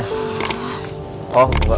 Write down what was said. terima kasih ya bu bos